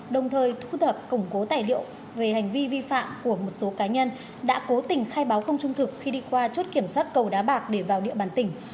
đồng thời thu thập củng cố tài liệu về hành vi vi phạm của một số cá nhân đã cố tình khai báo không trung thực khi đi qua chốt kiểm soát cầu đá bạc để vào địa bàn tỉnh